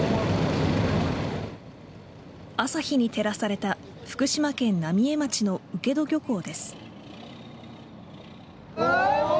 朝日に照らされた福島県浪江町の請戸漁港です。